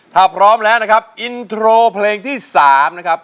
ถ้าพร้อมแล้วนะครับอินโทรเพลงที่๓นะครับ